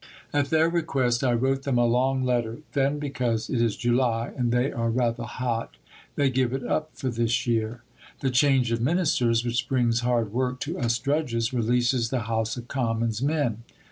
At their request I wrote them a long letter. Then because it is July and they are rather hot, they give it up for this year. The change of Ministers, which brings hard work to us drudges, releases the House of Commons men.